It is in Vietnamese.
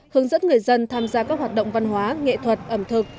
hướng dẫn người dân tham gia các hoạt động văn hóa nghệ thuật ẩm thực